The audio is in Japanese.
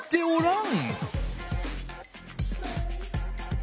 ん？